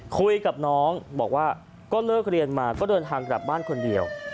คุยกับน้องบอกว่าก็เลิกเรียนมาก็เดินทางกลับบ้านคนเดียว